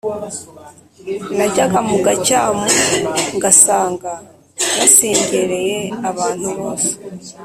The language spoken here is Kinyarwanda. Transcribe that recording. Najyaga mu gacyamu ngasanga yasengereye abantu bose